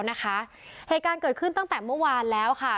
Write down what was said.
นะคะภัยการเกิดขึ้นตั้งแต่เมื่อวานแล้วค่ะ